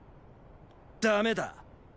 ダメだ。